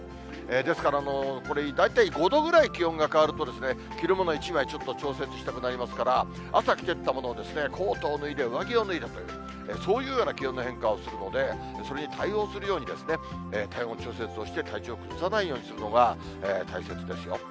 ですから、これ大体５度ぐらい気温が変わると、着るもの１枚ちょっと調節したくなりますから、朝着てったものをコートを脱いで上着を脱いでっていう、そういうような気温の変化をするので、それに対応するように、体温調節をして体調を崩さないようにするのが大切ですよ。